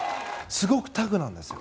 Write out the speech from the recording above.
すごくタフなんですよ。